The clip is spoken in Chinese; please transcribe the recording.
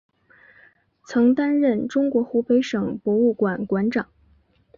曾担任中国湖北省博物馆馆长。